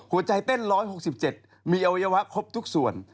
เต้น๑๖๗มีอวัยวะครบทุกส่วน